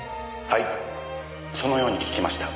はいそのように聞きました。